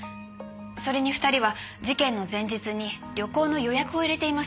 それに２人は事件の前日に旅行の予約を入れています。